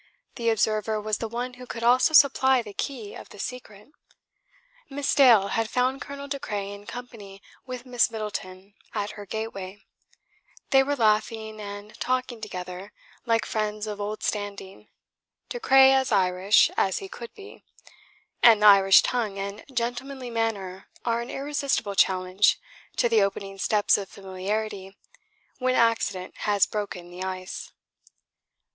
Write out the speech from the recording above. The observer was the one who could also supply the key of the secret. Miss Dale had found Colonel De Craye in company with Miss Middleton at her gateway. They were laughing and talking together like friends of old standing, De Craye as Irish as he could be: and the Irish tongue and gentlemanly manner are an irresistible challenge to the opening steps of familiarity when accident has broken the ice.